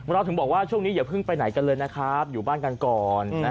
เราถึงบอกว่าช่วงนี้อย่าเพิ่งไปไหนกันเลยนะครับอยู่บ้านกันก่อน